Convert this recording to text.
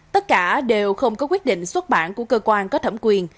tất cả đều không có quyết định xuất bản của cơ quan có thẩm quyền